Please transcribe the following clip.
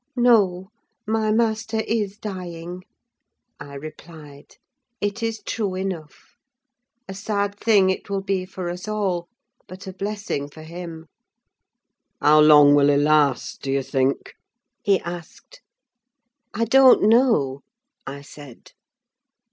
"No; my master is dying," I replied: "it is true enough. A sad thing it will be for us all, but a blessing for him!" "How long will he last, do you think?" he asked. "I don't know," I said.